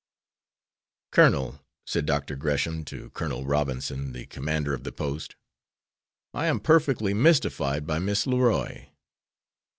"Colonel," said Dr. Gresham to Col. Robinson, the commander of the post, "I am perfectly mystified by Miss Leroy."